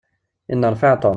Inneṛfaɛ Tom.